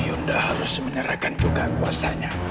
hyunda harus menyerahkan juga kuasanya